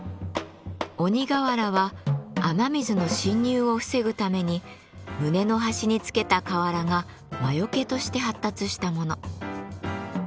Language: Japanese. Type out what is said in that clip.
鬼瓦は雨水の浸入を防ぐために棟の端につけた瓦が魔よけとして発達したもの。